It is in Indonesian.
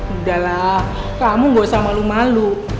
udah lah kamu gak usah malu malu